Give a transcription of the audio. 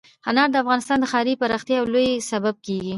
انار د افغانستان د ښاري پراختیا یو لوی سبب کېږي.